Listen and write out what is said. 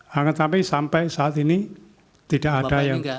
hanya sampai saat ini tidak ada yang